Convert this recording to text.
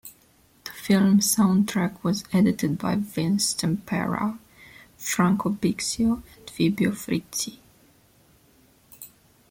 The film soundtrack was edited by Vince Tempera, Franco Bixio and Fabio Frizzi.